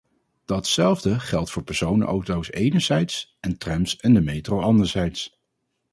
Datzelfde geldt voor personenauto's enerzijds en trams en de metro anderzijds.